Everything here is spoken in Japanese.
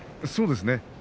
そうですね